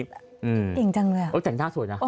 เก่งจังเลยแต่งหน้าสวยนะ